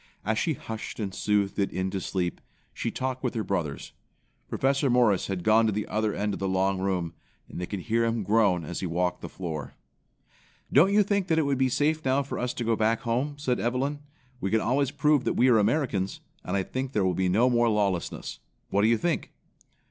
As she hushed and soothed it into sleep, she talked with her brothers. Professor Morris had gone to the other end of the long room, and they could hear him groan as he walked the floor. "Don't you think that it would be safe now for us to go back home?" said Evelyn. "We can always prove that we are Americans, and I think there will be no more lawlessness. What do you think?"